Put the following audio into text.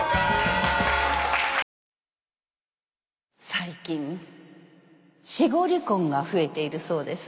最近死後離婚が増えているそうです。